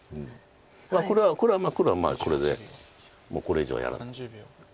これは黒はこれでもうこれ以上はやらない。